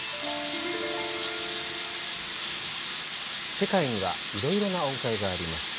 せかいにはいろいろな音階があります。